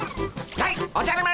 やいおじゃる丸